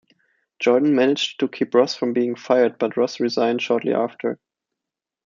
Jordan managed to keep Ross from being fired, but Ross resigned shortly after.